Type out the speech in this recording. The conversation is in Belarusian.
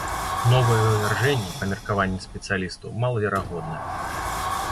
Новыя вывяржэнні, па меркаванні спецыялістаў, малаверагодныя.